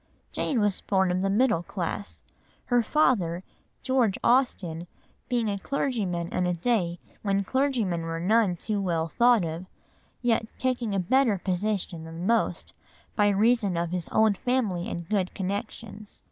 Jane was born of the middle class, her father, George Austen, being a clergyman in a day when clergymen were none too well thought of, yet taking a better position than most by reason of his own family and good connections.